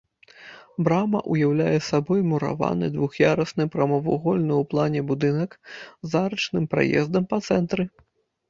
Брама ўяўляе сабой мураваны двух'ярусны прамавугольны ў плане будынак з арачным праездам па цэнтры.